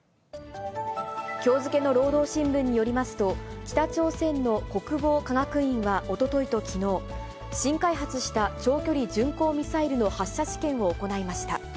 きょう付けの労働新聞によりますと、北朝鮮の国防科学院はおとといときのう、新開発した長距離巡航ミサイルの発射試験を行いました。